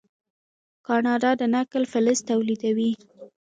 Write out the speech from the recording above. کاناډا د نکل فلز تولیدوي.